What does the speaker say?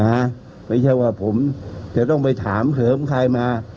นะฮะมันใช่ว่าผมแต่ต้องไปถามเคยเริ่มใครมา